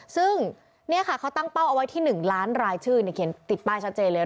ซึ่งนี่ค่ะเขาตั้งเป้าเอาไว้ที่๑ล้านรายชื่อเขียนติดป้ายชัดเจนเลย